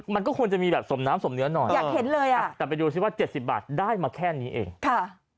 มันก็คงจะมีแบบสมน้ำสมเนื้อหน่อยแต่ไปดูซิว่า๗๐บาทได้มาแค่นี้เองค่ะ